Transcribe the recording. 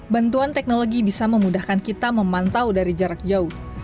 bantuan teknologi bisa memudahkan kita memantau dari jarak jauh